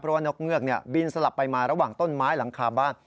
เพราะว่านกเงือกบินสลับไปมาระหว่างต้นไม้หลังคาบ้าน